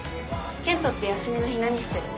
健人って休みの日何してるの？